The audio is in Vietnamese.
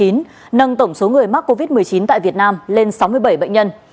nâng tổng số người mắc covid một mươi chín tại việt nam lên sáu mươi bảy bệnh nhân